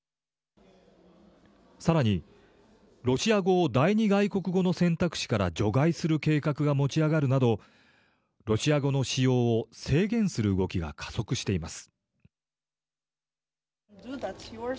さらにロシア語を第２外国語の選択肢から除外する計画が持ち上がるなどロシア語の使用を制限する動きが加速しています。